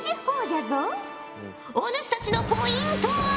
おぬしたちのポイントは。